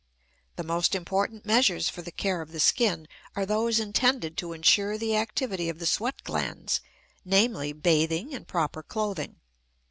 The most important measures for the care of the skin are those intended to insure the activity of the sweat glands, namely, bathing and proper clothing.